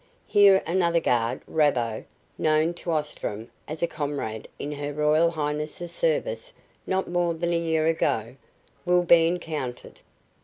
Here another guard, Rabbo known to Ostrom as a comrade in Her Royal Highness's service not more than a year ago will be encountered.